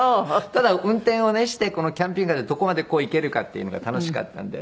ただ運転をしてこのキャンピングカーでどこまで行けるかっていうのが楽しかったので。